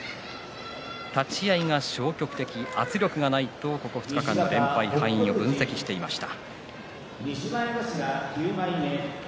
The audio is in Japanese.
立ち合いが消極的圧力がないとここ２日間の連敗の敗因を分析していました。